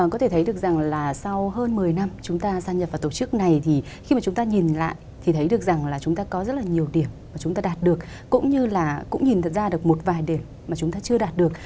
có thể thấy được rằng là sau hơn một mươi năm chúng ta gia nhập vào tổ chức này thì khi mà chúng ta nhìn lại thì thấy được rằng là chúng ta có rất là nhiều điểm mà chúng ta đạt được cũng như là cũng nhìn thật ra được một vài điểm mà chúng ta chưa đạt được